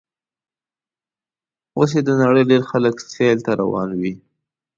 اوس یې د نړۍ ډېر خلک سیل ته روان دي.